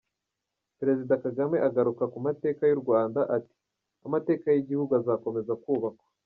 Perezida Kagame agaruka ku mateka y’u Rwanda ati “Amateka y’igihugu azakomeza kubakwa.